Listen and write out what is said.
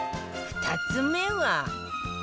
２つ目は